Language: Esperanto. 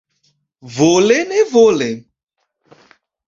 Vole nevole.